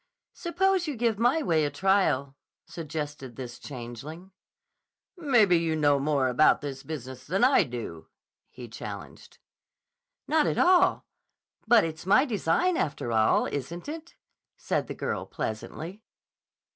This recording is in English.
"Suppose you give my way a trial," suggested this changeling. "Mebbe you know more about this business than I do," he challenged. "Not at all. But it's my design, after all, isn't it?" said the girl pleasantly.